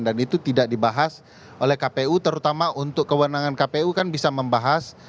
dan itu tidak dibahas oleh kpu terutama untuk kewenangan kpu kan bisa membahas